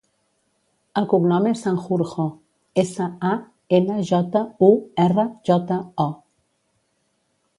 El cognom és Sanjurjo: essa, a, ena, jota, u, erra, jota, o.